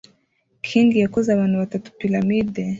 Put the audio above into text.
king yakoze abantu batatu piramide